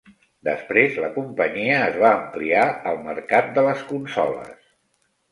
Després la companyia es va ampliar al mercat de les consoles.